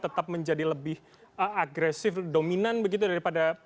tetap menjadi lebih agresif dominan begitu daripada para pemerintah